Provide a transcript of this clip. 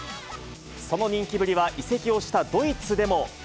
その人気ぶりは、移籍をしたドイツでも。